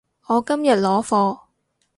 我今日攞貨